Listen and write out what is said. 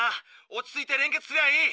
落ち着いて連結すりゃあいい。